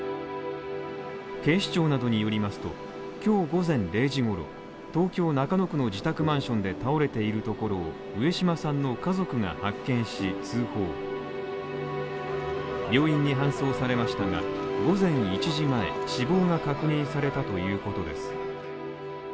警視庁などによりますと今日午前０時ごろ、東京・中野区の自宅マンションで倒れているところを上島さんの家族が発見し通報病院に搬送されましたが、午前１時前、死亡が確認されたということです。